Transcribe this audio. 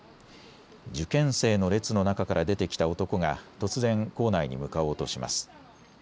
受験生の列の中から出てきた男が突然、構内に向かおうとします。